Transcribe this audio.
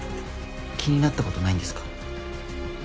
気になったことないんですか？